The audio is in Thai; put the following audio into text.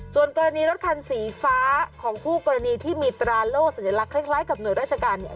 ส่วนกรณีรถคันสีฟ้าของคู่กรณีที่มีตราโล่สัญลักษณ์คล้ายกับหน่วยราชการเนี่ย